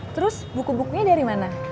terus buku bukunya dari mana